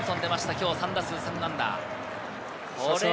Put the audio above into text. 今日３打数３安打。